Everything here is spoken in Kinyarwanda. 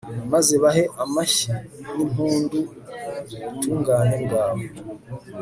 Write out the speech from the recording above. maze bahe amashyi n'impundu ubutungane bwawe